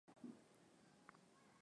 Lina wastani wa kina cha mita themanini